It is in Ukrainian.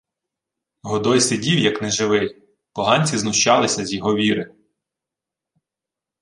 Годой сидів як неживий — поганці знущалися з його віри.